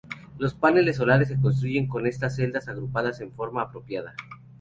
Los paneles solares se construyen con estas celdas agrupadas en forma apropiada.